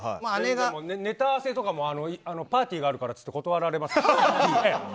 ネタ合わせとかもパーティーがあるからっていって断られますから。